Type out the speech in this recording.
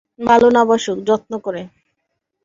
ভালো না বাসুক, যত্ন করে।